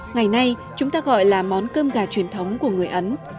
ngày nay chúng ta gọi là món cơm gà truyền thống của người ấn